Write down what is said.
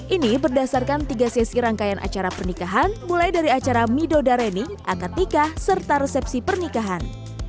ini berdasarkan tiga sesi rangkaian acara pernikahan mulai dari acara midodareni akad nikah serta resepsi pernikahan